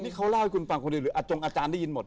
นี่เขาเล่าให้คุณฟังคนเดียวหรืออาจงอาจารย์ได้ยินหมด